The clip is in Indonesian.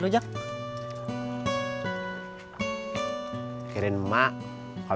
ismah ingin disiapkan apa yang kamu